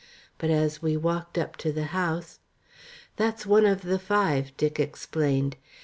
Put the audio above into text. But as we walked up to the house, "That's one of the five," Dick explained.